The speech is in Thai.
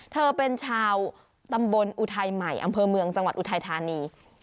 เธอเป็นชาวตำบลอุทัยใหม่อำเภอเมืองจังหวัดอุทัยธานี